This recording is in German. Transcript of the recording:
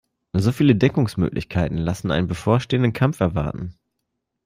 So viele Deckungsmöglichkeiten lassen einen bevorstehenden Kampf erwarten.